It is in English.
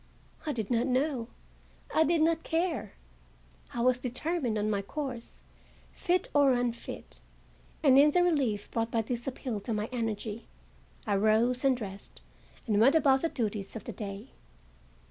I did not know; I did not care; I was determined on my course, fit or unfit, and, in the relief brought by this appeal to my energy, I rose and dressed and went about the duties of the day.